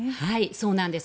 そうなんです。